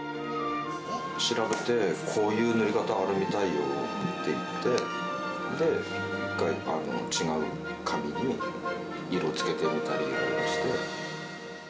調べて、こういう塗り方あるみたいよって言って、で、違う紙に色つけてみたりとか、いろいろして。